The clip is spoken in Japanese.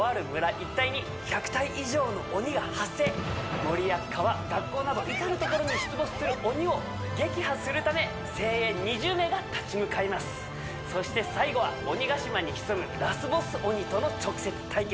一帯に１００体以上の鬼が発生森や川学校など至る所に出没する鬼を撃破するため精鋭２０名が立ち向かいますそして最後は鬼ヶ島に潜むラスボス鬼との直接対決